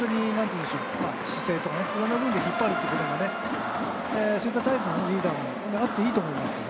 姿勢とか他の部分で引っ張るというのも、そういったリーダーもあっていいと思います。